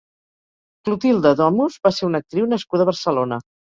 Clotilde Domus va ser una actriu nascuda a Barcelona.